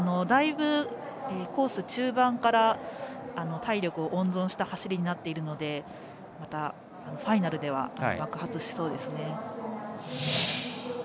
だいぶ、コース中盤から体力を温存した走りになっているのでまた、ファイナルでは爆発しそうですね。